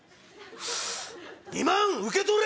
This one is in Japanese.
２万受け取れ！